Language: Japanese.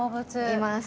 います。